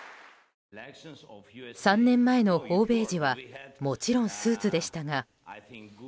３年前の訪米時はもちろんスーツでしたが。